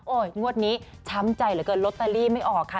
งวดนี้ช้ำใจเหลือเกินลอตเตอรี่ไม่ออกค่ะ